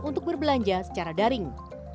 untuk berbelanja secara daring